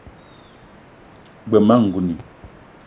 G-beu ma ngouni